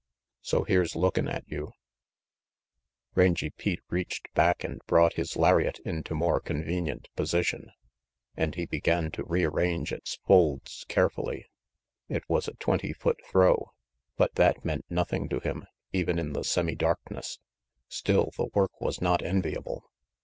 So here's lookin' at you " Rangy Pete reached back and brought his lariat into more convenient position, and he began to rearrange its folds carefully. It was a twenty foot throw, but that meant nothing to him, even in the semi darkness. Still, the work was not enviable.